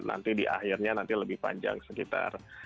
nanti di akhirnya nanti lebih panjang sekitar